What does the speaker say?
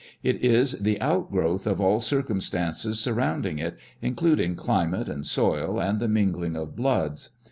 It is the out growth of all circumstances sur rounding it, including climate and soil, and the mingling of bloods.